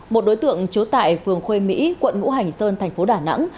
một đối tượng trú tại phường khuê mỹ quận ngũ hành sơn thành phố đà nẵng